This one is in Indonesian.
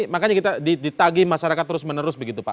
makanya kita ditagi masyarakat terus menerus begitu pak